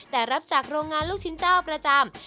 แต่รับจากโรงงานลูกชิ้นเจ้าประจำ